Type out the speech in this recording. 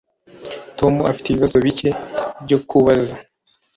Tom afite ibibazo bike byo kubaza